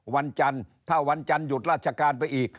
วันจันทร์ถ้าวันจันทร์หยุดราชการไปอีก